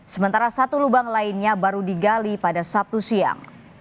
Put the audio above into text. sementara satu lubang lainnya baru digali pada sabtu siang